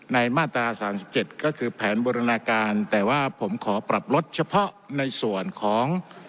มาตรา๓๗ก็คือแผนบูรณาการแต่ว่าผมขอปรับลดเฉพาะในส่วนของ